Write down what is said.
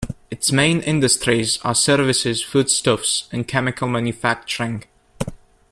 Its main industries are services, foodstuffs and chemical manufacturing.